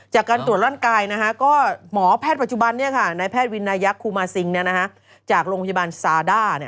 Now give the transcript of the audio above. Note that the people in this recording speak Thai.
จากการตรวจร่างกายก็หมอแพทย์ปัจจุบันนายแพทย์วินนายักษูมาซิงจากโรงพยาบาลซาด้า